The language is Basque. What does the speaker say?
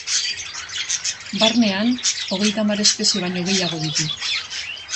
Barnean hogeita hamar espezie baino gehiago ditu.